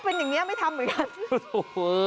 เป็นอย่างนี้ไม่ทำเหมือนกัน